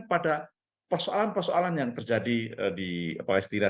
pada persoalan persoalan yang mereka lakukan